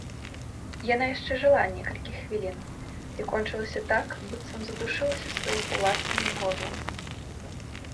Яна яшчэ жыла некалькі хвілін і кончылася так, быццам задушылася сваім уласным горлам.